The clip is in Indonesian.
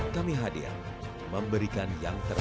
kami hadir memberikan yang terbaik